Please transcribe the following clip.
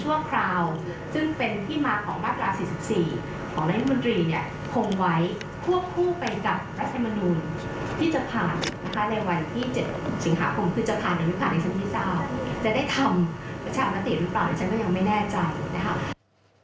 จะได้ทำประชาบัติหรือเปล่าฉันก็ยังไม่แน่ใจ